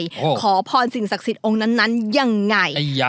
โอ้โหขอพรสิ่งศักดิ์สิทธิ์องค์นั้นนั้นยังไงไอ้ยะ